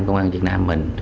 công an việt nam mình